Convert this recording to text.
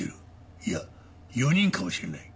いや４人かもしれない。